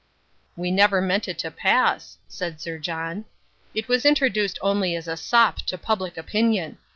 "We never meant it to pass," said Sir John. "It was introduced only as a sop to public opinion.